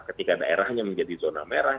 ketika daerahnya menjadi zona merah